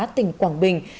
tỉnh quảng bình